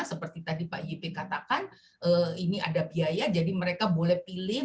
seperti tadi pak yp katakan ini ada biaya jadi mereka boleh pilih